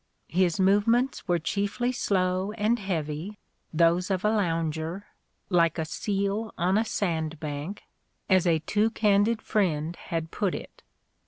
His movements were chiefly slow and heavy, those of a lounger, like a seal on a sand bank," as a too candid friend had put it.